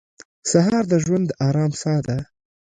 سهار د ژوند د ارام ساه ده.